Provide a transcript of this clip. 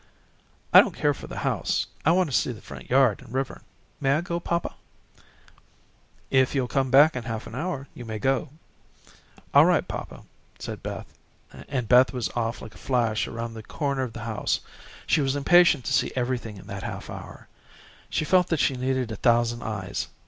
"I don't care for the house. I want to see the front yard and river. May I go, papa?" "If you'll come back in half an hour, you may go." "All right, papa," and Beth was off like a flash around the corner of the house. She was impatient to see everything in that half hour. She felt that she needed a thousand eyes.